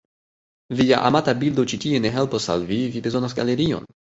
Via amata bildo ĉi tie ne helpos al vi, vi bezonas galerion.